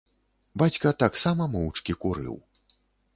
Бацька таксама моўчкі курыў.